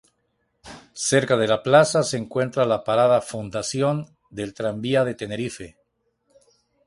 Cerca de la plaza se encuentra la parada "Fundación" del Tranvía de Tenerife.